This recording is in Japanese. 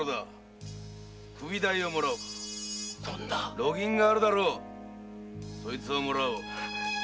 路銀があるだろうそいつをもらおう。